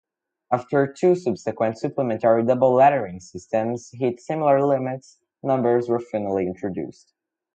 After two subsequent supplementary double-lettering systems hit similar limits, numbers were finally introduced.